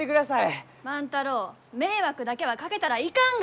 万太郎迷惑だけはかけたらいかんが！